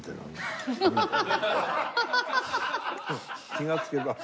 気がつけば。